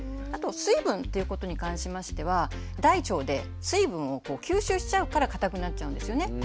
あと水分っていうことに関しましては大腸で水分を吸収しちゃうから固くなっちゃうんですよね